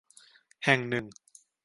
แห่งหนึ่ง